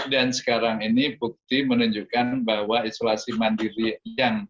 dan sekarang ini bukti menunjukkan bahwa isolasi mandiri yang pengobatannya tidak tepat